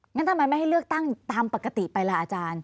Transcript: งั้นทำไมไม่ให้เลือกตั้งตามปกติไปล่ะอาจารย์